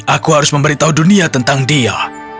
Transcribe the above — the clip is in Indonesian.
aku harus memberitahu dunia tentang dia